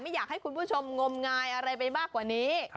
อยากให้คุณผู้ชมงมงายอะไรไปมากกว่านี้